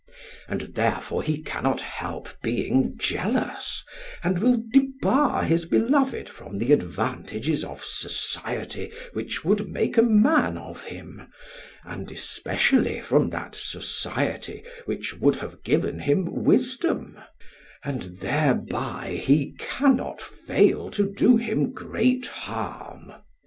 And therefore he cannot help being jealous, and will debar his beloved from the advantages of society which would make a man of him, and especially from that society which would have given him wisdom, and thereby he cannot fail to do him great harm.